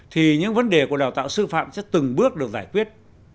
thì những vấn đề của đào tạo sư phạm sẽ từng bước được giải quyết